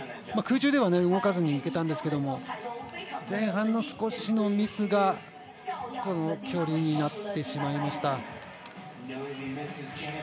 空中では動かずに行けたんですけど前半の少しのミスがこの距離になってしまいました。